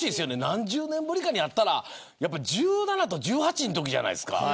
何十年ぶりかに会ったらやっぱり１７と１８のときじゃないですか。